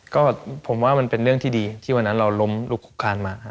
ก็ผมว่ามันเป็นเรื่องที่ดีที่วันนั้นเราล้มลุกคุกคานมา